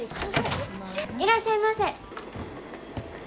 いらっしゃいませ。